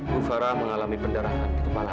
bu farah mengalami pendarahan di kepala